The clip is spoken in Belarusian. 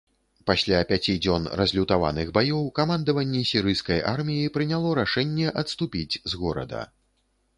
Пасля пяці дзён разлютаваных баёў, камандаванне сірыйскай арміі прыняло рашэнне адступіць з горада.